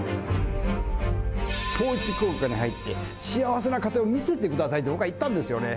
統一教会に入って、幸せな家庭を見せてくださいって、僕は言ったんですよね。